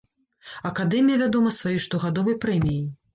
Акадэмія вядома сваёй штогадовай прэміяй.